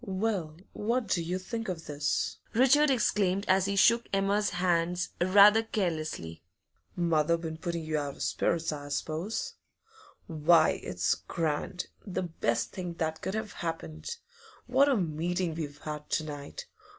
'Well, what do you think of this?' Richard exclaimed as he shook Emma's hands rather carelessly. 'Mother been putting you out of spirits, I suppose? Why, it's grand; the best thing that could have happened! What a meeting we've had to night!